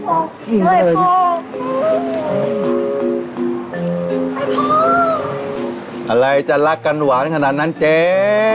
อะไรจะรักกันหวานขนาดนั้นเจ๊